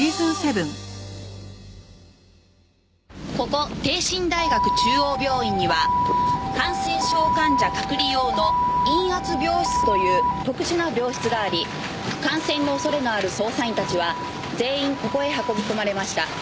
ここ帝心大学中央病院には感染症患者隔離用の陰圧病室という特殊な病室があり感染の恐れのある捜査員たちは全員ここへ運び込まれました。